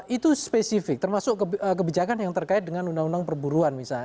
itu spesifik termasuk kebijakan yang terkait dengan undang undang perburuan misalnya